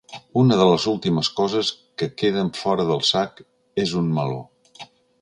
Una de les últimes coses que queden fora del sac és un meló.